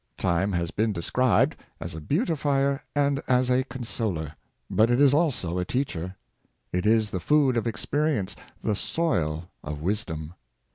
Time has been described as a beaulifier and as a consoler; but it is also a teacher. It is the food of experience, the soil of wisdom.